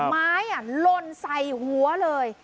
ไม้ลนใส่หัวเลย